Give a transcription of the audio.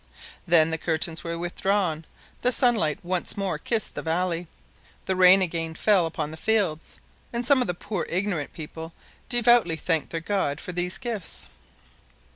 Then the curtains were withdrawn, the sunlight once more kissed the valley, the rain again fell upon the fields, and some of the poor, ignorant people devoutly thanked their God for these gifts.